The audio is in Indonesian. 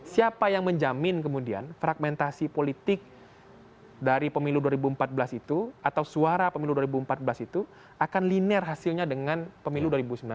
siapa yang menjamin kemudian fragmentasi politik dari pemilu dua ribu empat belas itu atau suara pemilu dua ribu empat belas itu akan linear hasilnya dengan pemilu dua ribu sembilan belas